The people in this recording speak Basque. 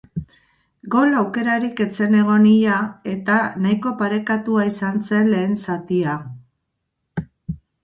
Gol aukerarik ez zen egon ia eta nahiko parekatua izan zen lehen zatia.